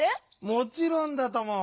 もちろんだとも！